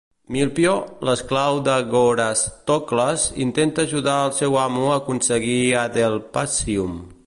Milphio, l'esclau d'Agorastocles, intenta ajudar el seu amo a aconseguir Adelphasium.